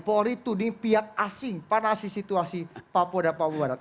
polri tuding pihak asing panasi situasi papua dan papua barat